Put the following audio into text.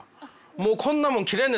もうこんなもん切れんね